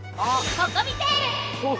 ココミテール！